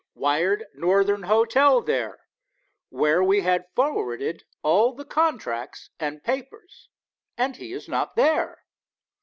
Wired Northern Hotel there, where we had forwarded all the contracts and papers, and he is not there.